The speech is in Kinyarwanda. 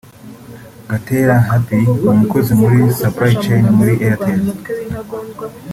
Gatera Happy ni umukozi muri Supply Chain muri Airtel